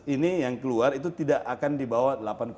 dua ribu tujuh belas ini yang keluar itu tidak akan dibawa delapan dua